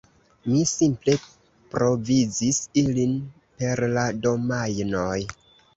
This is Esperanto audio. Mi simple provizis ilin per la domajnoj.